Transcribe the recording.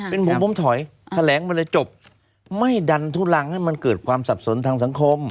เป็นผมผมถอยแถลงมาเลยจบไม่ดันทุลังให้มันเกิดความสับสนทางสังคม